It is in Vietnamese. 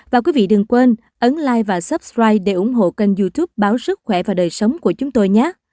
và quý vị đừng quên ấn like và subscribe để ủng hộ kênh youtube báo sức khỏe và đời sống của chúng tôi nhé